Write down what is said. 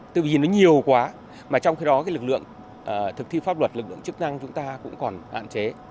từ khi nó nhiều quá mà trong khi đó lực lượng thực thi pháp luật lực lượng chức năng chúng ta cũng còn hạn chế